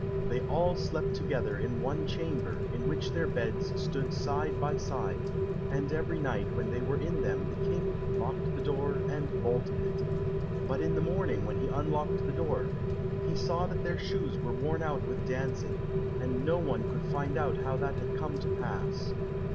They all slept together in one chamber, in which their beds stood side by side, and every night when they were in them the King locked the door, and bolted it. But in the morning when he unlocked the door, he saw that their shoes were worn out with dancing, and no one could find out how that had come to pass.